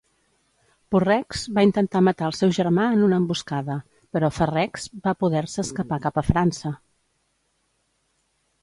Porrex va intentar matar el seu germà en una emboscada, però Ferrex va poder-se escapar cap a França.